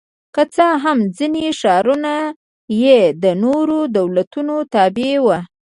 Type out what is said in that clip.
که څه هم ځیني ښارونه یې د نورو دولتونو تابع وو